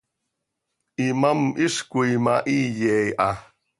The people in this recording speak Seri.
Imám hizcoi ma hiiye ha.